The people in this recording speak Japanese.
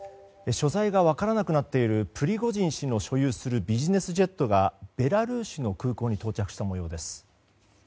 所在が分からなくなっているプリゴジン氏の所有するビジネスジェットがベラルーシの空港に到着した模様です。